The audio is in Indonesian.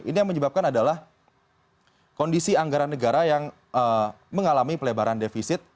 ini yang menyebabkan adalah kondisi anggaran negara yang mengalami pelebaran defisit